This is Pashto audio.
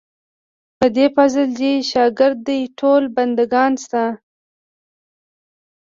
په دې فضل دې شاګر دي ټول بندګان ستا.